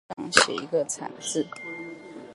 票上有写一个惨字